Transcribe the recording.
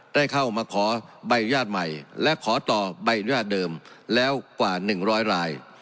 ได้เข้ามาขอใบอนุญาตใหม่และขอต่อใบอนุญาตเดิมแล้วกว่า๑๐๐ราย